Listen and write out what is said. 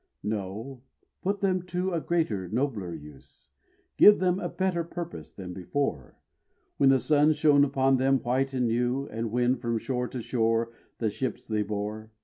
No; put them to a greater, nobler use, Give them a better purpose than before, When the sun shone upon them white and new, And when from shore to shore the ships they bore.